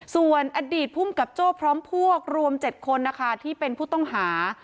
ส่วนอดีตภูมิกับโจ้พร้อมพวกรวม๗คนนะคะที่เป็นผู้ต้องหา